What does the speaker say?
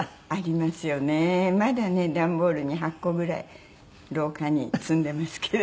まだね段ボールに８個ぐらい廊下に積んでますけど。